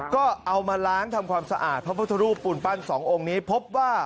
ก็เอามาล้างทำความสะอาดพระพุทธรูปปูนปั้นสององค์นี้พบว่า